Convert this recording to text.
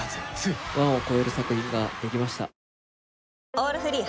「オールフリー」